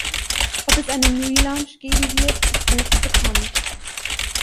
Ob es einen Relaunch geben wird, ist nicht bekannt.